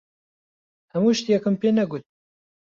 هەموو شتێکم پێ نەگوت.